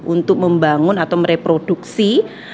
untuk membangun atau mereproduksi